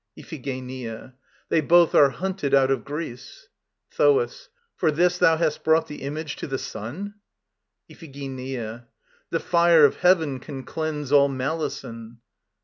IPHIGENIA They both are hunted out of Greece. THOAS. For this thou has brought the Image to the sun? IPHIGENIA. The fire of heaven can cleanse all malison.